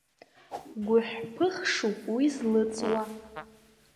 Гәыҳәԥыхшуп уи злыҵуа.